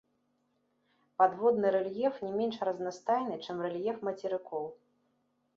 Падводны рэльеф не менш разнастайны, чым рэльеф мацерыкоў.